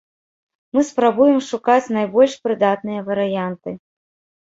Мы спрабуем шукаць найбольш прыдатныя варыянты.